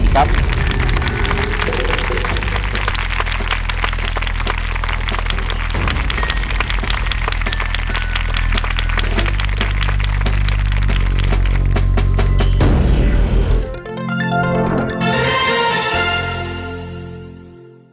โปรดติดตามตอนต่อไป